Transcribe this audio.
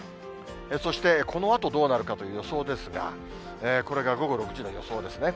そしてこのあとどうなるかという予想ですが、これが午後６時の予想ですね。